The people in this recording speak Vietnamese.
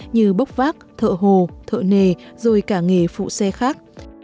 như bốc vác thợ hồ thợ nề rồi cả nghề phụ xe khác